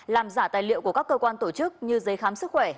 làm giả tài liệu của các cơ quan tổ chức như giấy khám sức khỏe